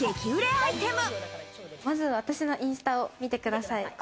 まず私のインスタを見てください。